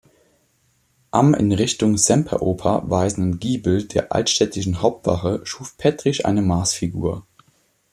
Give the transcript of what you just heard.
Am in Richtung Semperoper weisenden Giebel der Altstädtischen Hauptwache schuf Pettrich eine Mars-Figur.